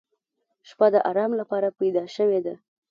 • شپه د آرام لپاره پیدا شوې ده.